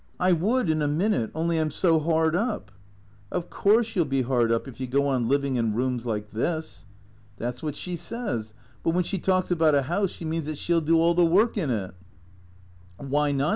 " I would in a minute — only I 'm so hard up." " Of course you '11 be hard up if you go on living in rooms like this." " That 's what she says. But when she talks about a house she means that she '11 do all the work in it," " Wliy not ?